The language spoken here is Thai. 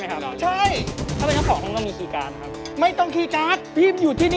ไม่ได้ครับจะรบกวนและมานุ่ม